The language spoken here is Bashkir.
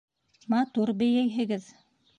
Матур бейейһегеҙ